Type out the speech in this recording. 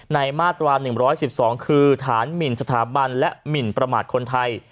มาตรา๑๑๒คือฐานหมินสถาบันและหมินประมาทคนไทย